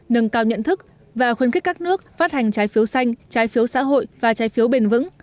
nâng cao nhận thức và khuyến khích các nước phát hành trái phiếu xanh trái phiếu xã hội và trái phiếu bền vững